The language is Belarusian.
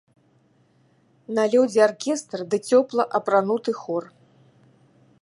На лёдзе аркестр ды цёпла апрануты хор.